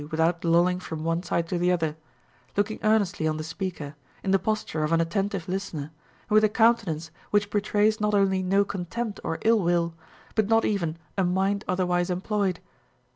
457 without lolling from one side to the other, looking earnestly on the speaker, in the posture of an attentive listener, and with a countenance which betrays not only no contempt or ill Avill but not even a mind otherwise employed.